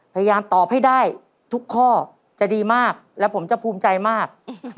พยายามตอบให้ได้ทุกข้อจะดีมากและผมจะภูมิใจมาก